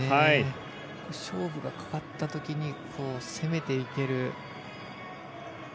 勝負がかかったときに攻めていける。